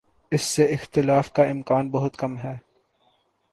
اس سے اختلاف کا امکان بہت کم ہے۔